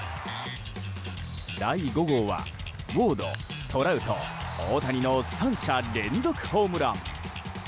第５号はウォード、トラウト、大谷の３者連続ホームラン。